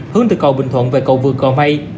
hướng từ cầu bình thuận về cầu vườn cầu mây